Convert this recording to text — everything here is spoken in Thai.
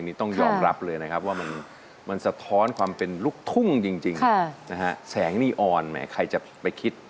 ก็ยอมรับเลยนะครับว่ามันมันสะท้อนความเป็นลูกทุ่งจริงแสงนี้อ่อนนะใครจะไปคิด